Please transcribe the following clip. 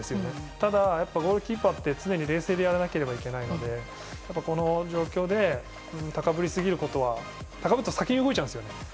ただ、ゴールキーパーって常に冷静でやらなければいけないのでこの状況で高ぶりすぎることは高ぶったら先に動いちゃうんですよ。